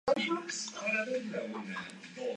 Su localidad tipo es el territorio de Colorado.